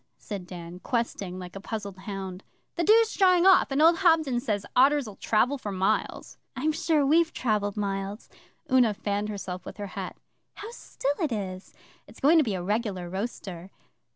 said Dan, questing like a puzzled hound. 'The dew's drying off, and old Hobden says otters'll travel for miles.' 'I'm sure we've travelled miles.' Una fanned herself with her hat. 'How still it is! It's going to be a regular roaster.